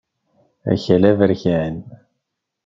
Akal aberkan.